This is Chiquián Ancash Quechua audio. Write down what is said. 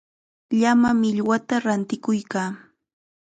Llama millwata rantikuykaa.